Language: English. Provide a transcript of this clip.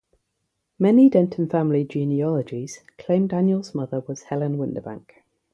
Many Denton family genealogies claim Daniel's mother was Helen Windebank.